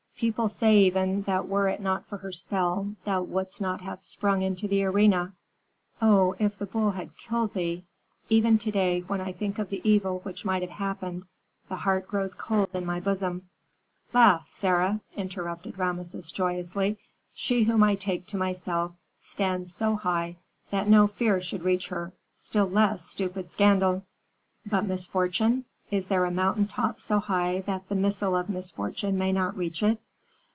People say even that were it not for her spell thou wouldst not have sprung into the arena. Oh, if the bull had killed thee! Even to day, when I think of the evil which might have happened, the heart grows cold in my bosom." "Laugh, Sarah," interrupted Rameses, joyously. "She whom I take to myself stands so high that no fear should reach her, still less, stupid scandal." "But misfortune? Is there a mountain top so high that the missile of misfortune may not reach it?"